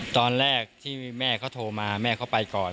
ตอนแรกที่แม่เขาโทรมาแม่เขาไปก่อน